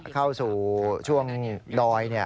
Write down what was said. เข้าสู่ช่วงดอย